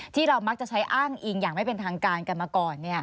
ที่เรามักจะใช้อ้างอิงอย่างไม่เป็นทางการกันมาก่อน